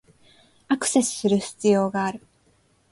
アクセスする必要がある